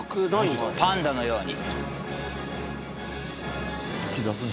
パンダのように。